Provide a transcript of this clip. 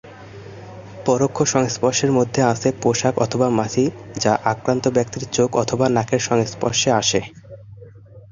পরোক্ষ সংস্পর্শের মধ্যে আছে পোশাক অথবা মাছি যা আক্রান্ত ব্যক্তির চোখ অথবা নাকের সংস্পর্শে আসে।